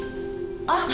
あっ。